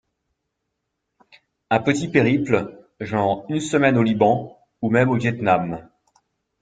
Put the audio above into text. Un petit périple, genre une semaine au Liban, ou même au Vietnam